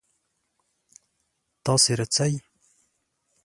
تاسو راځئ؟